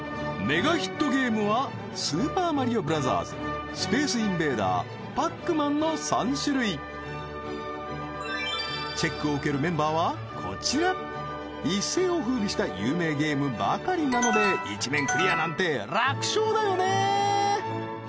メガヒットゲームはスーパーマリオブスペースインベーダーパックマンの３チェックを受けるメンバーはこちら一斉をふうびした有名ゲームばかりなので１面クリアなんて楽勝だよね